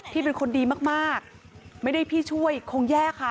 พี่เป็นคนดีมากไม่ได้พี่ช่วยคงแย่ค่ะ